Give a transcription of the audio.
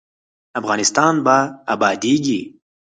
افغانستان به ابادیږي